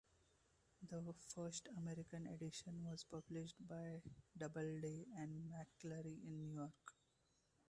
The first American edition was published by Doubleday and McClure in New York.